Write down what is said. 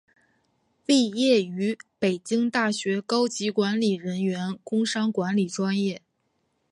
毕业于北京大学高级管理人员工商管理专业。